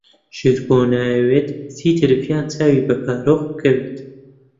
شێرکۆ نایەوێت چیتر ڤیان چاوی بە کارۆخ بکەوێت.